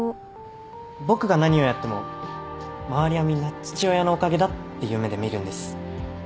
僕が何をやっても周りはみんな父親のおかげだっていう目で見るんです